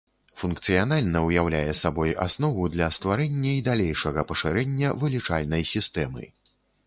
Функцыянальна ўяўляе сабою аснову для стварэння і далейшага пашырэння вылічальнай сістэмы.